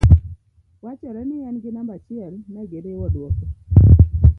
wachore ni en gi namba achiel negiriwo duoko